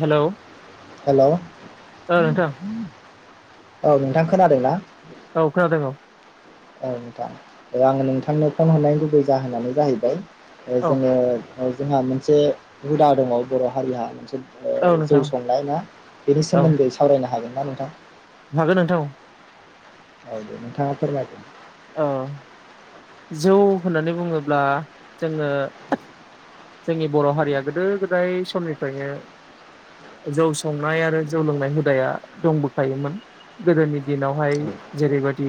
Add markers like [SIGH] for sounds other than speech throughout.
Hello hello औ औ नोंथां नोंथां खोनादोंना औ खोनादों औ औ नोंथां आङो नोंथांनो फन हरनायनि गुबै जाहोनानो जाहैबाय औ जोङो जोंहा मोनसे हुदा दङ बर' हारिहा औ नोंथां जौ संनाय ना बेनि औ सोमोन्दै सावरायनो हागोन ना नोंथां हागोन नोंथां औ। औ नोंथाङा फोरमायदो। ओ जौ होननानै बुङोब्ला जोङो जोंनि बर' हारिया गोदो गोदाय समनिफ्रायनो जौ संनाय आरो जौ लोंनाय हुदाया दंबोखायोमोन। गोदोनि दिनावहाय औ जेरैबादि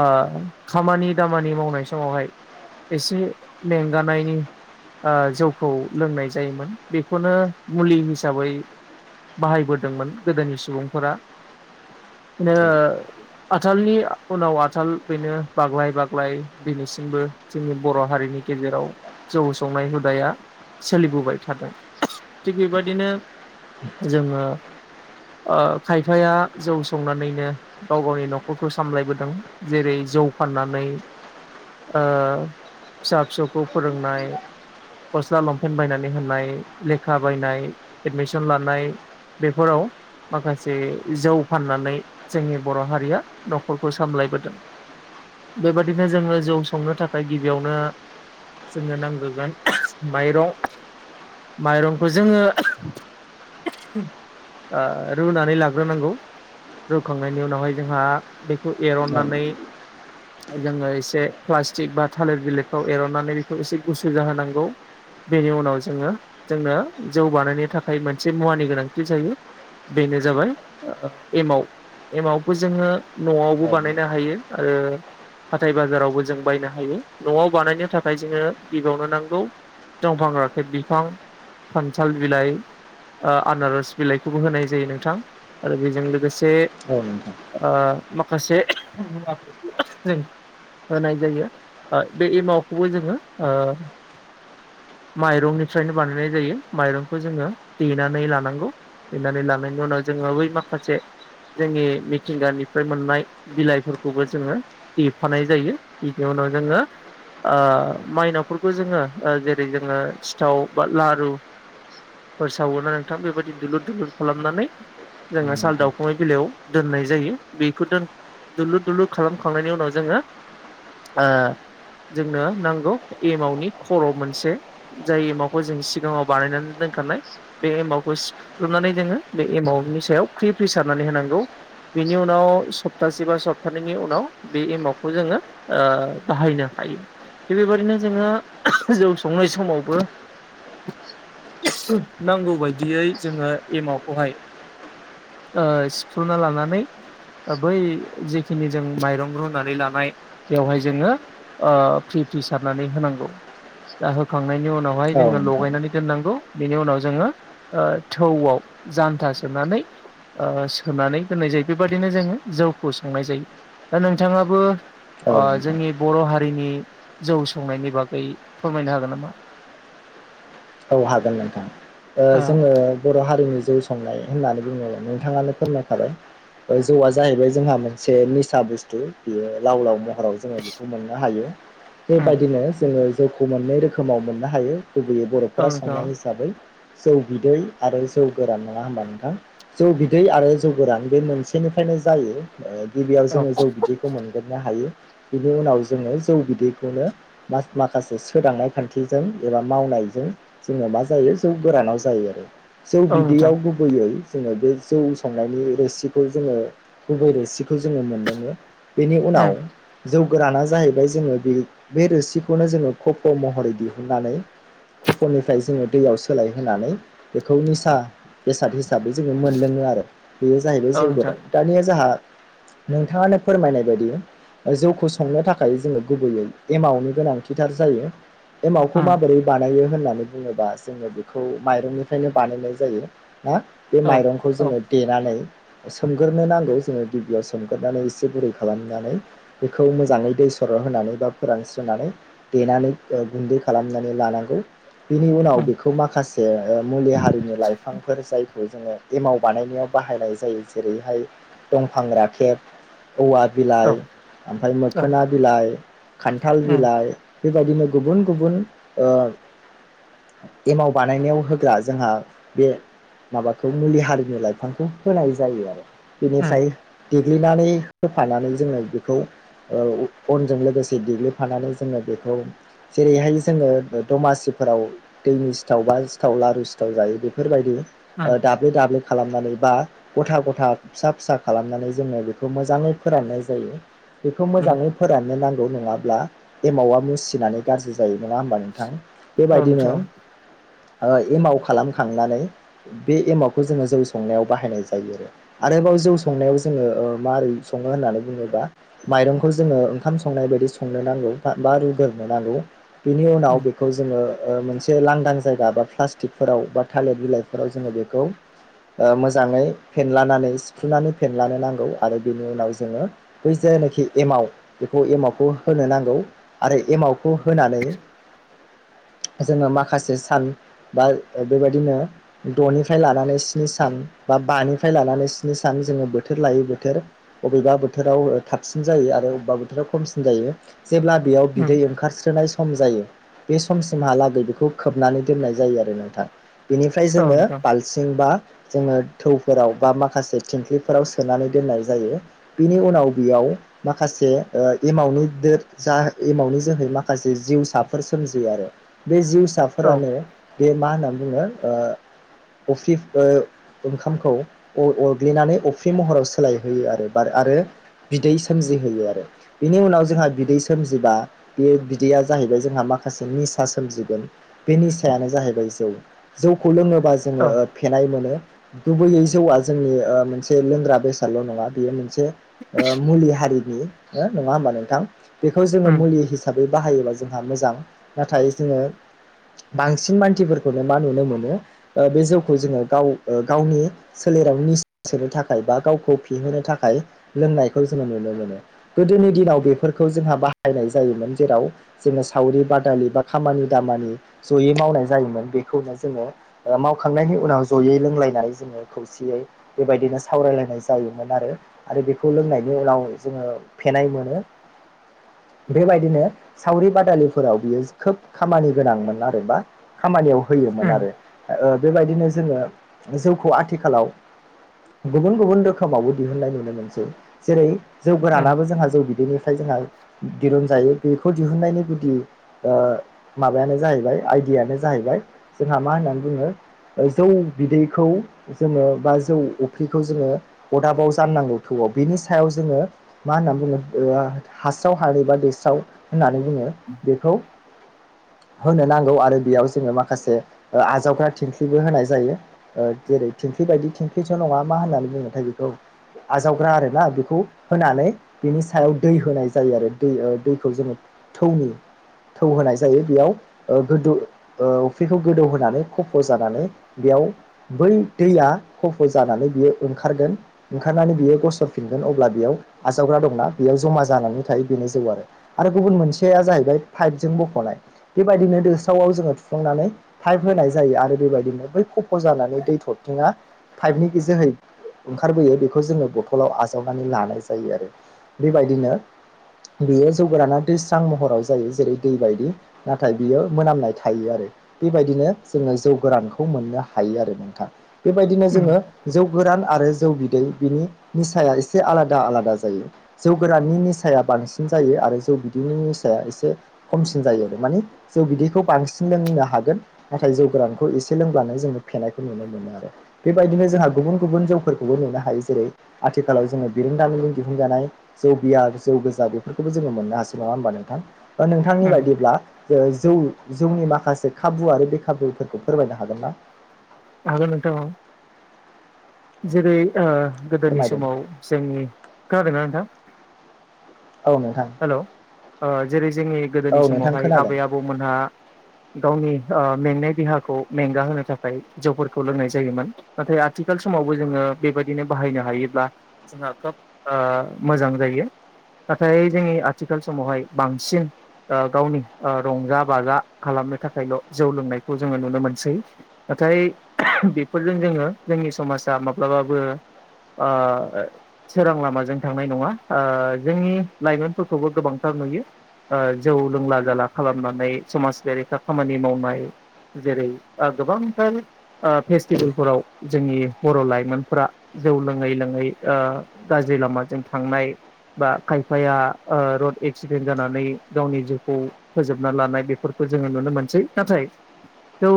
आ खामानि दामानि मावनाय समावहाय एसे मेंगानायनि ओ जौखौ लोंनाय जायोमोन। बेखौनो मुलि हिसाबै बाहायबोदोंमोन गोदोनि सुबुंफोरा। [UNINTELLIGIBLE] आथालनि उनाव आथाल बेनो बाग्लाय बाग्लाय दिनैसिमबो जोंनि बर' हारिनि गेजेराव जौ संनाय हुदाया सोलिबोबाय थादों। थिग बेबायदिनो जोङो ओ खायफाया जौ संनानैनो गाव गावनि न'खरखौ सामलायबोदों। जेरै जौ फाननानै ओ फिसा फिसौखौ फोरोंनाय गस्ला लंपेन बायनानै होनाय, लेखा बायनाय, एडमिसन लानाय बेफोराव माखासे जौ फाननानै जोंनि बर' हारिया न'खरखौ सामलायबोदों। बेबादिनो जोङो जौ संनो थाखाय गिबियावनो जोंनो नांग्रोगोन माइरं। माइरंखौ जोङो ओ रुनानै लाग्रोनांगौ। रुखांनायनि उनावहाय जोंहा बेखौ एर'ननानै जोङो एसे प्लास्टिक बा थालिर बिलायफ्राव एर'नानै बेखौ एसे गुसु जाहो नां गौ। बेनि उनाव जोङो जोंनो जौ बानायनो थाखाय मोनसे मुवानि गोनांथि जायो। बेनो जाबाय ओ एमाव एमावखौ जोङो औ न'आवबो बानायनो हायो आरो हाथाइ बाजारावबो जों बायनो हायो। न'आव बानायनो थाखाय जोङो गिबावनो नांगौ दंफां राखेब बिफां, खानथाल बिलाइ ओ आनारस बिलाइखौबो होनाय जायो नोंथां आरो बेजों लोगोसे से औ नोंथां ओ माखासे मुवाफोरखौ जों होनाय जायो। बा बे एमावखौबो जोङो ओ माइरंनिफ्रायनो बानायनाय जायो। माइरंखौ जोङो देनानै लानांगौ। देनानै लानायनि उनाव जोंङो बै माखासे जोंनि मिथिंगानिफ्राय मोननाय बिलाइफोरखौबो जोङो देफानाय जायो बिदियाव न जोङो ओ माइनावफोरखौ जोङो ओ जेरै जोङो सिथाव बा लारु फोर सावो ना नोंथां, बेबायदि दुलुर दुलुर खालामनानै औ जोङो साल नोंथां दाउखुमै बिलाइयाव दोननाय जायो। बेखौ दोन दुलुर दुलुर खालामखांनायनि उनाव जोङो ओ जोंनो नांगौ एमावनि खर' मोनसे। जाय एमावखौ जों सिगाङाव बानायनानै दोनखानाय बे एमावखौ सिफ्रुना नै जोङो बे एमावनि सायाव फ्रि फ्रि सारनानै होनांगौ। बिनि उनाव सफथासे बा सफथानैैनि उनाव बे एमावखौ जोङो ओ बाहायनो हायो। थिग बेबादिनो जोङो जौ संनाय समावबो नांगौ बायदियै जोङो एमावखौहाय ओ सिफ्रुना लानानै बै जिखिनि जों माइरं रुनानै लानाय बेवहाय जोङो ओ फ्रि फ्रि सारनानै होनांगौ। दा होखांनायनि उनावहाय औ जोङो नोंथां लगायनानै दोननांगौ। बेनि उनाव जोङो ओ थौवाव जानथा सोमनानै ओ सोनानै दोननाय जा यो। बेबादिनो जोङो जौखौ संनाय जायो। दा नोंथाङाबो औ ओ नोंथां जोंनि बर' हारिनि जौ संनायनि बागै फोरमायनो हागोन नामा? औ हागोन नोंथां ओ जोङो बर' हारिनि जौ संनाय होननानै बुङो नोंथाङानो फोरमायखाबाय। जौआ जाहैबाय जोंहा मोनसे निसा बुसथु बेयो लाव लाव महराव जोङो बेखौ मोननो हायो। उम [INAUDIBLE] नख'रा औ नोंथां संनाय हिसाबै जौ बिदै आरो जौ गोरान नङा होनबा नोंथां जौ बिदै आरो जौ गोरान बे मोनसेनिफ्रायनो जायो ओ गिबियाव औ जोङो जौ बिदैखौ मोनग्रोनो हायो। बिनि उनाव जोङो जौ बिदैखौनो माखासे सोदांनाय खान्थिजों एबा मावनाय जों जोङो मा जायो जों गोरानाव जायो आरो जौ औ नोंथां बिदैयाव गुबैयै जोङो बे जौ संनायनि रोसिखौ जोङो गुबै रोसिखौ जोङो मोनलोङो। बेनि उनाव उम जौ गोराना जाहैबाय जोङो बे बे रोसिखौनो जोङो कफ' महरै दिहुननानै खफ'निफ्राय जोङो दैयाव सोलायहोनानै बेखौ निसा बेसाद हिसाबै जोङो मोनलोङो आरो बेयो जाहैबाय औ जौ नोंथां गोरान दानिया जाहा नोंथाङानो फोरमायनाय बायदि जौखौ संनो थाखाय जोङो गुबैयै एमावनि गोनांथिथार जायो‌। एमावखौ उम माबोरै बानायो होननानै बुङोबा जोङो बेखौ माइरंनिफ्रायनो बानायनाय जायो। बा बे औ माइरंखौ औ जोङो देनानै सोमगोरनो नांगौ जोङो गिबियाव सोमगोरानै एसे गुरै खालामनानै बेखौ मोजाङै दै स र' होनानै बा फोरानस्रोनानै देनानै गुन्दै खालामनानै लानांगौ। बिनि उनाव उम बेखौ माखासे मुलि हारिनि लाइफांफोर जाय खौ जोङो एमाव बानायनायाव बाहायनाय जायो जेरैहाय दंफां राखेब औवा औ बिलाइ, ओमफ्राय औ मोखोना बिलाइ, खान्थाल उम बिलाइ बेबायदिनो गुबुन गुबुन ओ एमाव बानायनायाव होग्रा जोंहा बे माबाखौ मुलि हारिनि लाइफांखौ होनाय जायो आरो उम बेनिफ्राय देग्लिनानै होफानानै जोङो बेखौ ओ अनजों लोगोसे देग्लिफानानै जोङो बेखौ जेरैहाय जोङो दमासि फोराव दैनि सिथाव, बा सिथाव, लारु सिथाव जायो बेफोरबायदि उम दाब्ले दाब्ले खालामनानै बा गथा-गथा फिसा-फिसा खालामनानै जोङो बेखौ मोजाङै फोराननाय जायो। बेखौ उम मोजाङै फोराननो नां गौ नङाब्ला एमावा मुसिनानै गाज्रि जायो नङा होमबा नोंथां? औ बेबायदिनो नोंथां ओ एमाव खालामखांनानै बे एमावखौ जोङो जौ संनायाव बाहायनाय जायो आरो आरोबाव जौ संनायाव जोङो मारै सङो होननानै बुङोबा माइरंखौ जोङो ओंखाम संनाय बायदि सं ग्रोनांगौ बा रुगोरनो नांगौ बेनि उनाव उम बेखौ ओ ओ मोनसे लांदां जायगा बा प्लाषस्टिकफोराव बा थालिर बिलाइफोराव जोङो बेखौ ओ मोजाङै फेनलानानै सिफ्रुनानै फेनलानो नांगौ आरो बिनि उनाव जोङो बै जा नाखि एमाव बेखौ एमावखौ होनो नांगौ आरो एमावखौ होनानै जोङो माखासे सान बा बेबायदिनो द'निफ्राय लानानै स्नि सान बा बाफ्राय लानानै स्नि सान जों बोथोर लायै बोथोर अबेबा बोथोराव थाबसिन जा यो अबेबा बोथोराव खमसिन जायो। जेब्ला बेयाव बिदै उम ओंखारस्रोनाय सम जायो बे समसिमहालागै बेखौ खोबनानै दोननाय जायो आरो नोंथां। बेनिफ्राय औ जोङो नोंथां बालथिं बा जोङो थौफोराव बा माखासे थिंख्लिफोराव सोनानै दोननाय जायो। बिनि उनाव बेयाव माखासे ओ एमावनि दा एमावनि जोहै माखासे जिउसाफोर सो सोमजियो आरो बे औ जिउसाफोरानो बे मा होनना बुङो ओ अफ्रि ओ ओंखामखौ अर-अरग्लिनानै अफ्रि महराव सोलायहोयो आरो बार आरो बिदै सोमजिहोयो आरो। बिनि उनाव जोंहा बिदै सोमजिबा बे बिदैया जा जाहैबाय जोंहा माखासे निसा सोमजिगोन। बे निसायानो जाहैबाय जौ, जौखौ लोङो [UNINTELLIGIBLE] जोङो औ फेनाय मोनो। गुबैयै जौआ जोंनि मोनसे लोंग्रा बेसादल' नङा बेयो मोनसे ओ मुलि हारि हारिनि नङा होनबा नोंथां? बेखौ जोङो उम मुलि हिसाबै बाहायोबा जोंहा मोजां। नाथाय जोङो बांसिन मानसिफोरखौनो मा नुनो मोनो बे जौखौ जोङो गाव -गावनि [UNINTELLIGIBLE] [INAUDIBLE] [UNINTELLIGIBLE] निसा सोनो थाखाय बा गावखौ फेहोनो थाखाय लोंनायखौ जोङो नुनो मोनो। गोदोनि दि दिनाव बेफोरखौ जोंहा बाहायनाय जायोमोन जेराव जोङो सावरि बा [UNINTELLIGIBLE] खामानि दामानि जयै मावनाय जायोमोन बेखौनो जोङो मावखांनायनि उनाव जयै बियै लोंलायनानै जोङो खौसेयै बेबायदिनो सावरायायनाय जायोमोन आरो आरो बेखौ लोंनायनि जोङो फेनाय मोन बेबायदिनो सावरि बादालिफोराव बियो खोब खामानि गोनांमोन आरो बा खामानियाव होयोमोन उम आरो ओ बेबायदिनो जोङो जौखौ आथिखालाव गुबुन- गुबुन रोखोमावबो दिहुननाय नुनो मोनसै जेरै जौ उम गोरानाबो जोंहा जौ बिदैनिफ्राय जोंहा दिहुनजायो। बेखौ दिहुननायनि गुदि ओ माबायानो जाहैबाय आइडियानो जाहैबाय जोंहा मा होननानै बुङो? जौ बिदैखौ जोङो बा जौ अफ्रिखौ जोङो अदाबाव जाननांगौ थौवआ बेनि सायाव जोङो मा होननानै बुङो ओ हासाव हानै बा दैसाव होननानै जोङो बेखौ होनो नांगौ आरो बेयाव जोङो माखासे आजावग्रा थिंख्लिबो होनाय जायो। जेरै थिंख्रि बायदि थिंख्रिथ' नङा। मा होननानै बुंङोथाय बेखौ आजावग्रा आरोना बेखौ होनानै बिनि सायाव दै होनाय जायो आरो दै दैखौ जोङो थौनि थौ होनाय जायो बेयाव गोदौ अफ्रिखौ गोदौ होनोनानै खफ' जानानै बेयाव बै दैया खफ' जानानै बियो ओंखारगोन ओंखारनानै बियो गसरफिनगोन। अब्ला बेयाव आजावग्रा दंना बेयाव जमा जानानै थायो। बेनो जौ आरो आरो गुबुन मोनसेया जाहैबाय पाइपजों बखनाय बेबायदिनो दोस्रावआव जोङो थुफ्लांनानै पाइप होनाय जायो आरो बेबायदिनो बै खफ' जानानै दै थरथिङा पाइपनि जोहै ओंखारबोयो ।बेखौ जोङो बथलाव आजावनानै लानाय जायो आरो बेबायदिनो बेयो जौगाराना दैस्रां महराव जायो जेरै दै बायदि नाथाय बियो मोनामनाय थायो। आरो बेबायदिनो जोङो जौ गोरानखौ मोनो हायो आरो नोंथां ।बेबायदिनो उम जोङो जौ गोरान आरो जौ दै बिनि नि एसे आलादा -आलादा जायो जौ गोराननि निसाया बांसिन जायो आरो बिदिनि निसाया एसे खमसिन जायो आरो माने जौ बिदैखौ बांसिन लोंनो हागोन ।नाथाय जौ गोरानखौ एसे लोंब्ला फेनायखौ नुनो मोनो आरो बेबायदिनो जों गुबुन- गुबुन जौफोरखौबोनो हायो जेरै आथिखालाव जोङो बिरोंदामिलिं दिहुनजानाय जौ बियार, जौ गोजा बेफोरखौबो जोङो मोननो हासै नङा होमबा नोंथां? नोंथांनि उम बायदिब्ला ओ जौ जौनि माखासे खाबु आरो बे खाबुफोरखौ फोरमायनो हागोन ना? हागोन नोंथां। जेरै ओ गोदोनि फोरमायदों समाव जोंनि खोनादों ना नोंथां? औ नोंथां। हेलौ ओ जेरै जोंनि गोदोनि औ नोंथां समावहाय खोनादों आबै -आबौमोनहा गावनि मेंनाय देहाखौ मेंगा होनो थाखाय। जौफोरखौ लोंनाय जायोमोन ।नाथाय आथिखाल समावबो जोङो बेबायदिनो बाहायनो हायोब्ला जोंहा खोब ओ मोजां जायो ।नाथाय जोंनि आथिखाल समावहाय बांसिन ओ गावनि रंजा- बाजा खालामनो थाखायल' जौ लोंनायखौ जोङो नुनो मोनसै। नाथाय बेफोरजों जोङो जोंनि समाजा माब्लाबाबो ओ सोरां लामाजों थांनाय नङा ओ जोंनि लाइमोनफोरखौबो गोबांथार नुङो ओ जौ लोंला जाला खालामनानै समाज बेरेखा खामानि मावनाय। जेरै ओ गोबां फेस्टिभेलफोराव जोंनि बर' लाइमोनफोरा जौ लोङै लोङै ओ गाज्रि लामाजों थांनाय बा खायफाया ओ रड एक्सिडेन्ट जानानै गावनि जिउखौ फोजोबना लानाय बेफोर खौ जोङो नुनो मोनसै नाथाय जौ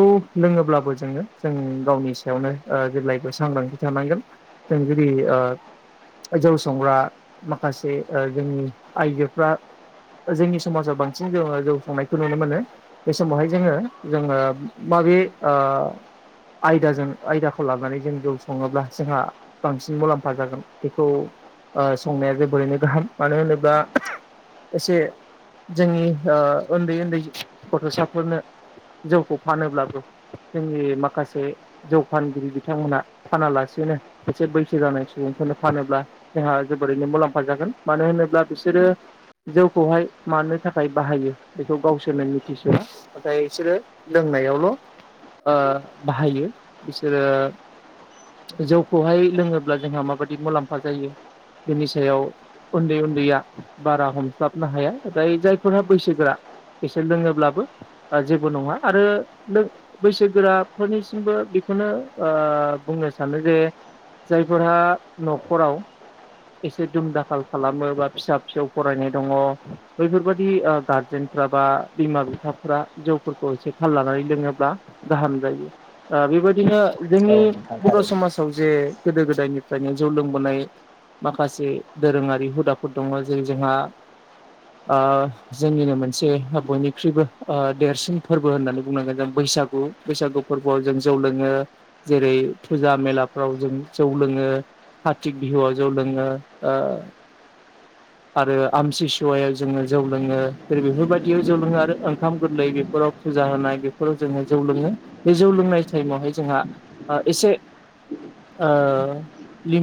लोङोब्लाबो जोंनो जों गावनि सायावनो ओ जेब्लायबो सांग्रांथि थानांगोन जों जुदि ओ जौ संग्रा माखासे ओ जोंनि आइजोफ्रा जोंनि समाजाव बांसिन जोङो जौ सांनायखौ नुनो मोनो बे समावहाय जोङो जोङो रि ओ [INAUDIBLE] आयदाजों आयदाखौ लानानै जों जौ सङोब्ला जोंहा बांसिन मुलाम्फा जागोन बेखौ ओ संनाया जोबोरैनो गाहाम मानो होनोबा एसे जोंनि ओ उन्दै उन्दै गथ'साफोरनो जौखौ फानोब्लाबो जोंनि माखासे जौ फानगिरि बिथांमोनहा फानालासिनो एसे बैसो जानाय सुबुंफोरनो फानोब्ला जोंहा जोबोरैनो मुलाम्फा जागोन मानो होनोब्ला बिसोरो जौखौहाय मानो थाखाय बाहायो बेखौ गावसोरनो मिथिस'आ नाथाय बिसोरो लों नायावल' बाहायो बिसोरो जौखौहाय लोङोब्ला जोंहा माबायदि मुलाम्फा जायो बिनि सायाव उन्दै उन्दैया बारा हमस्लाबनो हाया नाथाय जायफोरहा बैसोगोरा बिसोर लोङोब्लाबो जेबो नङा आरो बैसोगोराफोरनिसिमबो बेखौनो ओ बुंनो सानो जे जायफोरहा न'खराव एसे दुम दाखाल खालामो बा फिसा फिसौ फरायनाय दङ बैफोरबादि ओ गारजेन बा बिमा बिफ्रा जौफोरखौ एसे थाल लानानै लोङोब्ला गाहाम जायो ओ बेबायदिनो जोंनि औ नोंथां बर' थारैनो समाजाव जे गोदो गोदायनिफ्रायनो जौ लोंबोनाय माखासे दोरोङारि हुदाफोर दङ जेरै जोंहा ओ जोंनिनो मोनसे बयनिख्रुइबो ओ देरसिन फोरबो होननानै बुंनांगोन जों बैसागु । बैसागु फोरबोआव जों जौ लोङो जेरै फुजा मेलाफ्राव जों जौ लोङो कार्तिक बिहुआव जौ लोङो ओ [INAUDIBLE] आरो आमसिसुवायाव जोङो जौ लोङो। जेरै बेफोरबायदियाव जौ लोङो आरो ओंखाम गोरलै बेफोराव फुजा होनाय बेफोराव जोंहा जौ लोङो बे जौ लोंनाय टाइमावहाय जोंहा ओ एसे ओ लि